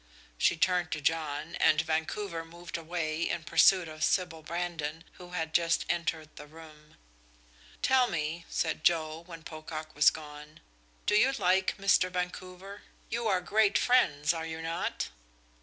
She turned to John, and Vancouver moved away in pursuit of Sybil Brandon, who had just entered the room. "Tell me," said Joe, when Pocock was gone, "do you like Mr. Vancouver? You are great friends, are you not?"